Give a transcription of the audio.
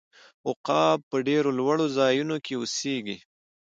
عقاب په ډیرو لوړو ځایونو کې اوسیږي